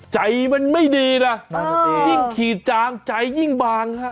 ใจมันไม่ดีนะยิ่งขีดจางใจยิ่งบางฮะ